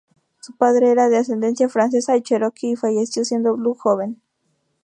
Su padre era de ascendencia francesa y Cherokee, y falleció siendo Blue joven.